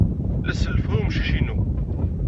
La sellfeɣ i wemcic-inu.